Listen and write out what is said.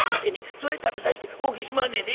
それ食べさして大きしまんねんで」。